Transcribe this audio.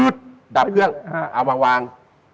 ดับเครื่องเอามาวาง